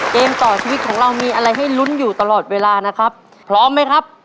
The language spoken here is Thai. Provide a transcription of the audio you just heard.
เกมต่อชีวิตของเรามีอะไรให้ลุ้นอยู่ตลอดเวลานะครับพร้อมไหมครับ